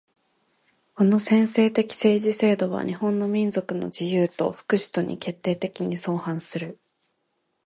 この専制的政治制度は日本民族の自由と福祉とに決定的に相反する。